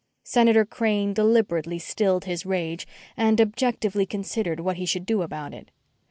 Senator Crane deliberately stilled his rage and objectively considered what he should do about it.